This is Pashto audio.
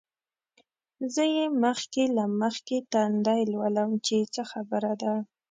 زه یې مخکې له مخکې تندی لولم چې څه خبره ده.